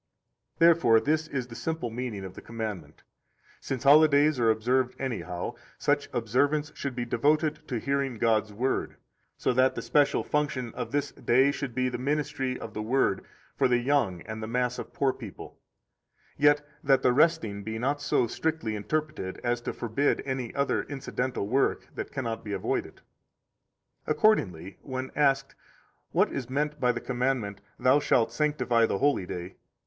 86 Therefore this is the simple meaning of the commandment: since holidays are observed anyhow, such observance should be devoted to hearing God's Word, so that the special function of this day should be the ministry of the Word for the young and the mass of poor people; yet that the resting be not so strictly interpreted as to forbid any other incidental work that cannot be avoided. 87 Accordingly, when asked, What is meant by the commandment: Thou shalt sanctify the holy day?